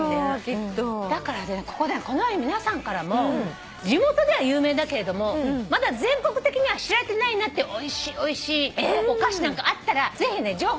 だからねこのように皆さんからも地元では有名だけれどもまだ全国的には知られてないなっておいしいおいしいお菓子なんかあったらぜひ情報を頂きたいなと思って。